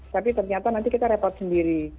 tapi ternyata nanti kita repot sendiri